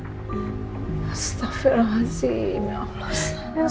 astagfirullahaladzim ya allah